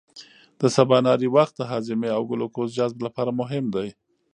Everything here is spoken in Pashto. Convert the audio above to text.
د سباناري وخت د هاضمې او ګلوکوز جذب لپاره مهم دی.